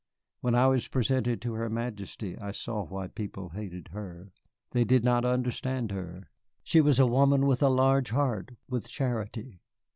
When I was presented to her Majesty I saw why people hated her. They did not understand her. She was a woman with a large heart, with charity.